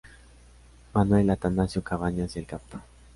Manuel Atanasio Cabañas y el Cap.